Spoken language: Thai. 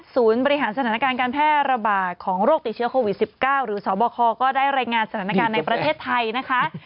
บริหารสถานการณ์การแพร่ระบาดของโรคติดเชื้อโควิด๑๙หรือสบคก็ได้รายงานสถานการณ์ในประเทศไทยนะคะ